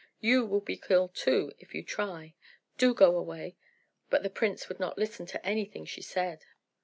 You will be killed too, if you try. Do go away." But the prince would not listen to anything she said.